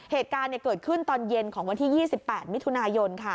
เหตุการณ์เกิดขึ้นตอนเย็นของวันที่๒๘มิถุนายน